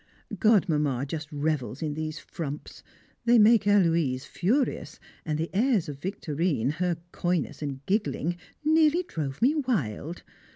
Godmamma just revels in these frumps; they make Héloise furious, and the airs of Victorine, her coyness and giggling, nearly drove me wild.